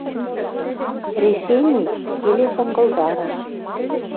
Решени — келеш ынгылдараш